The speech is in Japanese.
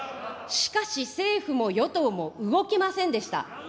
しかし、政府も与党も動きませんでした。